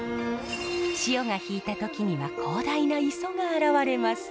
潮が引いた時には広大な磯が現れます。